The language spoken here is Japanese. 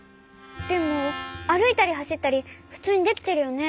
でもあるいたりはしったりふつうにできてるよね？